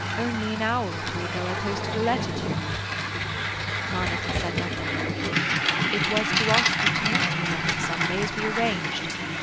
Only an hour or two ago I posted a letter to you." Monica said nothing. "It was to ask you to meet me next Sunday, as we arranged.